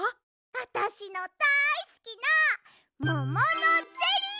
あたしのだいすきなもものゼリー！